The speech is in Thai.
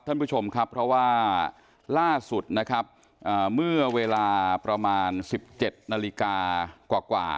ท่านผู้ชมครับเพราะว่าล่าสุดนะครับเมื่อเวลาประมาณ๑๗นาฬิกากว่า